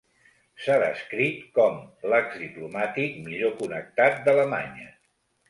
S'ha descrit com "l'exdiplomàtic millor connectat d'Alemanya".